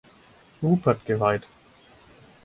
Rupert geweiht.